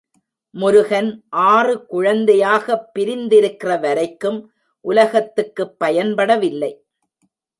முருகன் ஆறு குழந்தையாகப் பிரிந்திருக்கிற வரைக்கும் உலகத்துக்குப் பயன்படவில்லை.